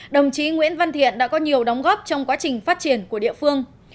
đồng chí nguyễn văn thiện đã có nhiều đóng góp trong quá trình phát triển của địa phương